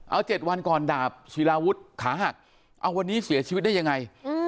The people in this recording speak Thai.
เอา๗วันก่อนดาบศิลาวุฒิขาหักเอาวันนี้เสียชีวิตได้ยังไง